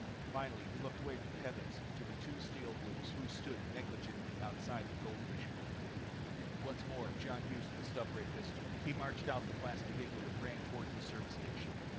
Finally he looked away from the heavens to the two Steel Blues who stood negligently outside the goldfish bowl. Once more, Jon used the stubray pistol. He marched out of the plastic igloo and ran toward the service station.